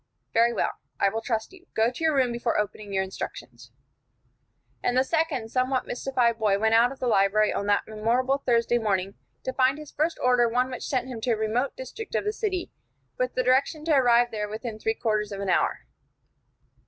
"Very well. I will trust you. Go to your room before opening your instructions." And the second somewhat mystified boy went out of the library on that memorable Thursday morning, to find his first order one which sent him to a remote district of the city, with the direction to arrive there within three quarters of an hour.